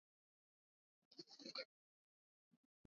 Na alifukuzwa shule na huyo mwalimu ambaye alisema kuwa eti hakumheshimu